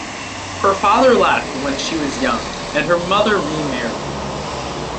Her father left when she was young and her mother remarried.